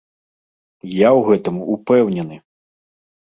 Я ў гэтым упэўнены.